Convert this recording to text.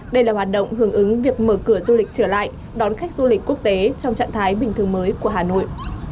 đây là hoạt động hưởng ứng việc mở cửa du lịch trở lại đón khách du lịch quốc tế trong trạng thái bình thường mới của hà nội